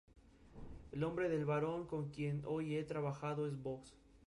Como congresista fue presidente de la Comisión de Turismo y Telecomunicaciones.